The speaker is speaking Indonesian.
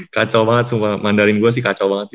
kacau banget sumba mandarin gue sih kacau banget sih